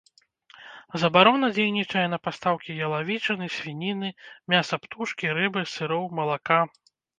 Забарона дзейнічае на пастаўкі ялавічыны, свініны, мяса птушкі, рыбы, сыроў, малака.